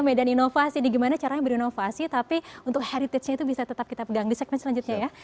medan inovasi nih gimana caranya berinovasi tapi untuk heritage nya itu bisa tetap kita pegang di segmen selanjutnya ya